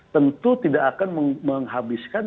tentu tidak akan menghabiskan